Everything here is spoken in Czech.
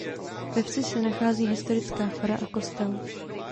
V vsi se nachází historická fara a kostel.